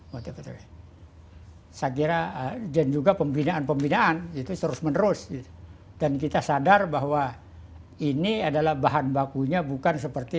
waktu itu saya kira dan juga pembinaan pembinaan itu terus menerus dan kita sadar bahwa ini adalah bahan bakunya bukan seperti